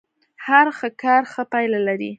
هر ښه کار ښه پايله لري.